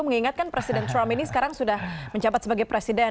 mengingatkan presiden trump ini sekarang sudah menjabat sebagai presiden